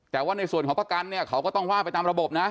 แต่ว่าในส่วนของประกันเนี่ยเขาก็ต้องว่าไปตามระบบนะ